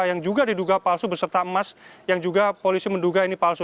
yang juga diduga palsu beserta emas yang juga polisi menduga ini palsu